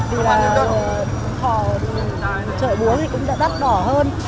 vì là thò trợ búa thì cũng đã đắt đỏ hơn